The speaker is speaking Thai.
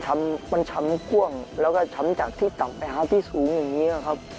มันช้ำก้วงแล้วก็ช้ำจากที่สูงอย่างนี้ครับ